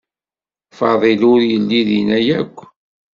Faḍil ur yelli dina akk.